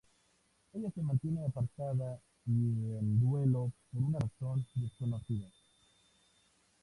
Ella se mantiene apartada y en duelo por una razón desconocida.